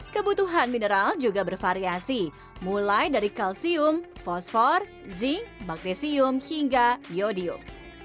kebutuhan mineral juga bervariasi mulai dari kalsium fosfor zinc baktesium hingga iodium